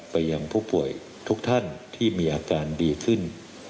ยังผู้ป่วยทุกท่านที่มีอาการดีขึ้น